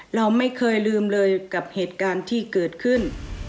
เราไม่เคยลืมเลยกับเหตุการณ์ที่เกิดขึ้น